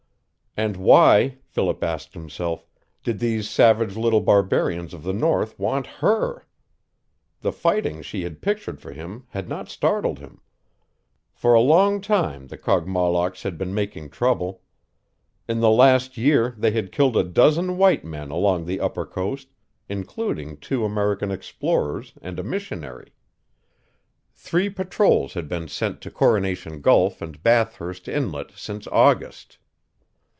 And why, Philip asked himself, did these savage little barbarians of the north want HER? The fighting she had pictured for him had not startled him. For a long time the Kogmollocks had been making trouble. In the last year they had killed a dozen white men along the upper coast, including two American explorers and a missionary. Three patrols had been sent to Coronation Gulf and Bathurst Inlet since August.